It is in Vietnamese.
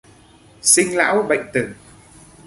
Sinh lão bệnh tử